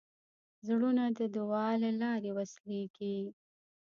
زړونه د دعا له لارې وصلېږي.